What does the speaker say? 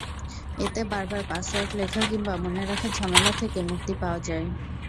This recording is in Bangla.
এতে বারবার পাসওয়ার্ড লেখা কিংবা মনে রাখার ঝামেলা থেকে মুক্তি পাওয়া যায়।